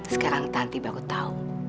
sekarang tanti baru tau